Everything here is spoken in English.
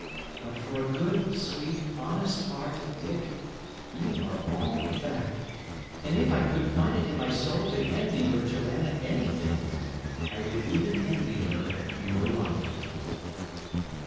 But for a good, sweet, honest heart, Dick, y' are all that; and if I could find it in my soul to envy your Joanna anything, I would even envy her your love."